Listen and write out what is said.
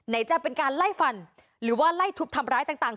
จะเป็นการไล่ฟันหรือว่าไล่ทุบทำร้ายต่าง